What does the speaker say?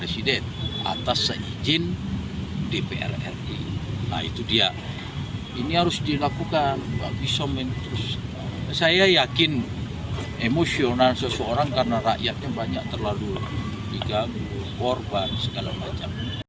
saya yakin emosional seseorang karena rakyatnya banyak terlalu diganggu korban segala macam